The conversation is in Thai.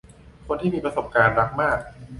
คนที่มีประสบการณ์รักมาก